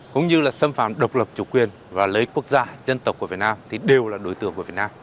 cũng như là xâm phạm độc lập chủ quyền và lấy quốc gia dân tộc của việt nam thì đều là đối tượng của việt nam